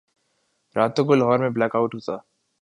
راتوں کو لاہور میں بلیک آؤٹ ہوتا۔